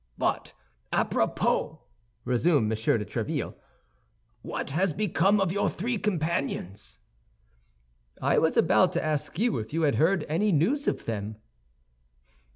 "But, à propos," resumed M. de Tréville, "what has become of your three companions?" "I was about to ask you if you had heard any news of them?"